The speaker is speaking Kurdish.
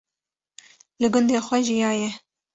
li gundê xwe jiyaye